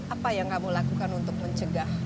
apa yang kamu lakukan untuk mencegah